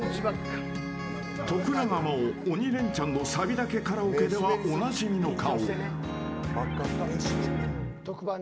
徳永も「鬼レンチャン」のサビだけカラオケではおなじみの顔。